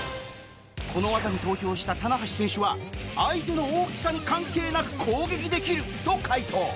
この技に投票した棚橋選手は「相手の大きさに関係なく攻撃できる」と回答